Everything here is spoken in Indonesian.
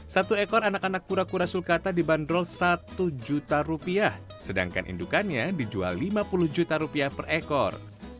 satu ekor anak anak kura kura sulkata dibanderol satu juta rupiah sedangkan indukannya dijual lima puluh juta rupiah per ekor